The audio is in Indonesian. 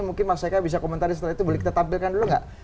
mungkin mas eka bisa komentari setelah itu boleh kita tampilkan dulu nggak